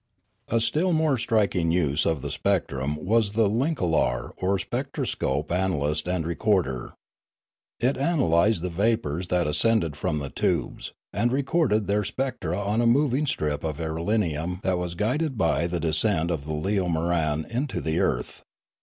A still more striking use of the spectrum was the linoklar or spectroscope analyst and recorder. It ana lysed the vapours that ascended from the tubes, and recorded their spectra on a moving strip of irelium that was guided by the descent of the leomoran into the earth.